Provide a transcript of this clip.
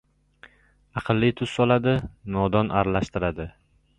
aqlli tuz soladi, nodon aralashtiradi.